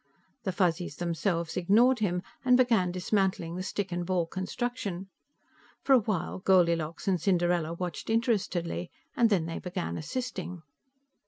The Fuzzies themselves ignored him and began dismantling the stick and ball construction. For a while Goldilocks and Cinderella watched interestedly, and then they began assisting.